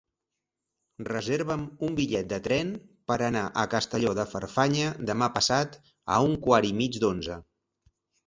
Reserva'm un bitllet de tren per anar a Castelló de Farfanya demà passat a un quart i mig d'onze.